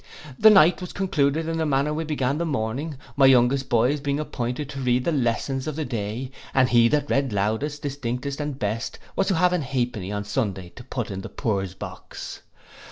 The night was concluded in the manner we began the morning, my youngest boys being appointed to read the lessons of the day, and he that read loudest, distinctest, and best, was to have an half penny on Sunday to put in the poor's box.